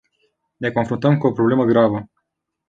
Ne confruntăm cu o problemă gravă.